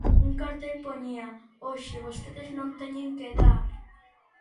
Un cartel poñía: "Hoxe vostedes non teñen que dar".